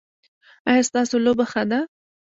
ایا ستاسو لوبه ښه ده؟